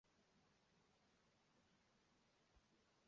浏阳河并不经过湘潭县。